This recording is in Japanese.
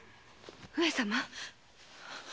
上様！？